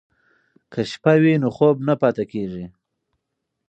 که شپه وي نو خوب نه پاتې کیږي.